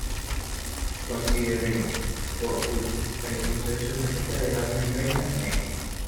Consideremos, por último, el episodio surrealista de "alma en venta" Negro.